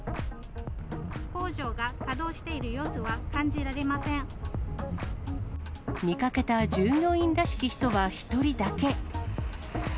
工場が稼働している様子は感見かけた従業員らしき人は１人だけ。